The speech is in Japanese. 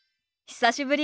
久しぶり。